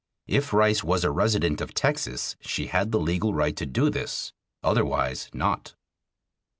If Rice was a resident of Texas she had the legal right to do this, otherwise not.